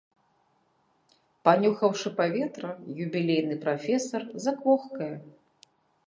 Панюхаўшы паветра, юбілейны прафесар заквохкае.